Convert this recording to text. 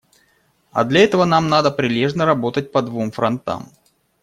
А для этого нам надо прилежно работать по двум фронтам.